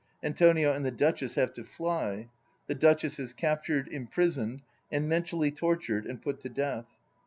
Antonio and the Duchess have to fly. The Duchess is captured, imprisoned and mentally tortured and put to death.